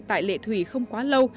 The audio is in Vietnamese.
tại lễ thủy không quá lâu